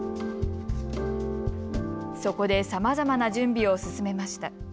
そこで、さまざまな準備を進めました。